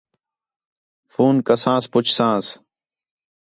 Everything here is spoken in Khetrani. فون کسانس، پُچھسانس